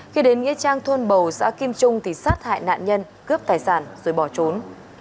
khi đến nghĩa trang thôn bầu xã kim trung thì sát hại nạn nhân cướp tài sản rồi bỏ trốn